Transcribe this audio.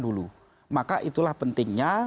dulu maka itulah pentingnya